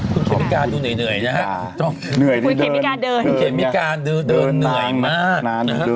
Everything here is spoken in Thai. คุณเขมิการดูเหนื่อยนะคุณเขมิการเดินเดินนานแล้ว